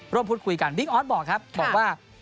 พูดคุยกันบิ๊กออสบอกครับบอกว่า